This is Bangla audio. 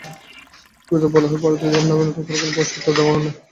বিজ্ঞপ্তিতে বলা হয়, প্রার্থীদের নামে নতুন করে কোনো প্রবেশপত্র দেওয়া হবে না।